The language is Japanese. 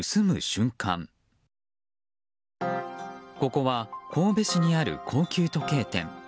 ここは神戸市にある高級時計店。